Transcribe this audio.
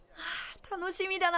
楽しみだな。